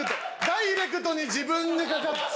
ダイレクトに自分にかかる。